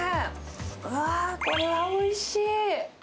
うわー、これはおいしい！